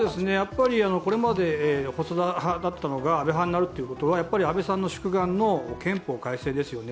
これまで細田派だったのが安倍派になるというのは安倍さんの宿願の憲法改正ですよね。